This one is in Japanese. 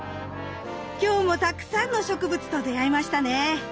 今日もたくさんの植物と出会えましたね。